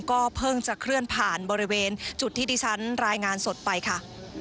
ก็เพิ่งจะเคลื่อนผ่านบริเวณจุดที่ดิฉันรายงานสดไปค่ะ